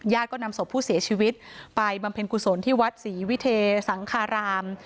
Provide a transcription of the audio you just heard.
ก็นำศพผู้เสียชีวิตไปบำเพ็ญกุศลที่วัดศรีวิเทสังคาราม